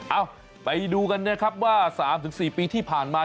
เอ้าไปดูกันนะครับว่า๓๔ปีที่ผ่านมา